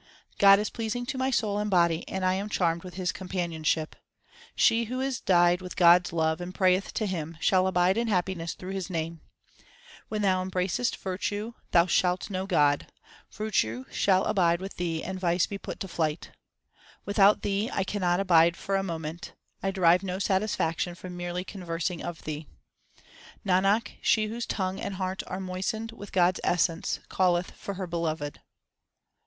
God is pleasing to my soul and body, and I am charmed with His companionship. She who is dyed with God s love and prayeth to Him, shall abide in happiness through His name. 1 The five organs of perception, with intellect and understanding. HYMNS OF GURU NANAK 321 When thou embracest virtue thou shall know God ; virtue shall abide with thee and vice be put to flight. Without Thee I cannot abide for a moment ; I derive no satisfaction from merely conversing of Thee. Nanak, she whose tongue and heart are moistened with God s essence, calleth for her Beloved.